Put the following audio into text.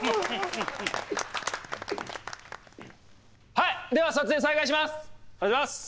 はいでは撮影再開します！